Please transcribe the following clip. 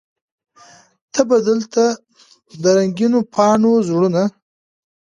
ته به دلته د رنګینو پاڼو زړونه